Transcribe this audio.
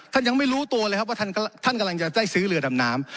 ยังไม่รู้ตัวเลยครับว่าท่านกำลังจะได้ซื้อเรือดำน้ำ